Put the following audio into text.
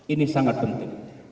ini sangat penting